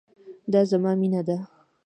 دا زما مينه ده